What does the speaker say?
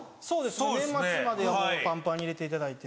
そうです年末までパンパンに入れていただいて。